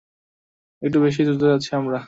একটু বেশিই দ্রুত যাচ্ছি আমরা!